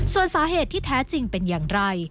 ส่วนสาเหตุที่แท้จริงเป็นอย่างไร